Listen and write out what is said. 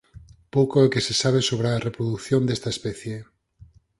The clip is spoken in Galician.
Pouco é o que se sabe sobre a reprodución desta especie.